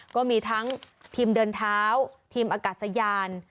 ก็มีทั้งทีมเดินเท้าทีมอากาศยาน